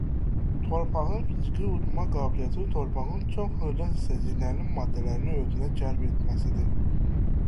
Torpağın fiziki udma qabiliyyəti torpağın çox xırda hissəciklərinin maddələri özünə cəlb etməsidir.